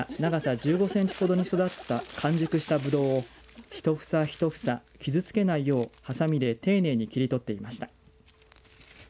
１５センチほどに育った完熟したぶどうをひと房ひと房傷つけないよう、はさみで丁寧に切り取っていました。